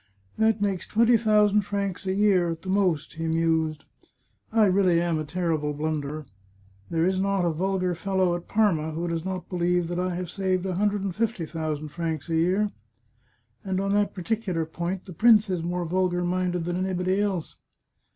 " That makes twenty thousand francs a year at the most," he mused. *' I really am a terrible blunderer. There is not a vulgar fellow at Parma who does not believe I have saved a hundred and fifty thousand francs a year. And on that particular point the prince is more vulgar minded than anybody else.